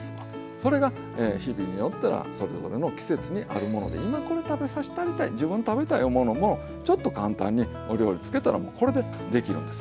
それが日々によったらそれぞれの季節にあるもので今これ食べさしたりたい自分食べたい思うのもちょっと簡単にお料理つけたらもうこれでできるんです。